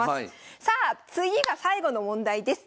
さあ次が最後の問題です！